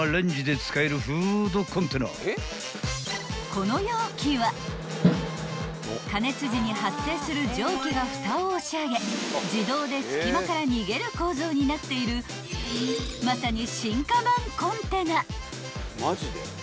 ［この容器は加熱時に発生する蒸気がふたを押し上げ自動で隙間から逃げる構造になっているまさに］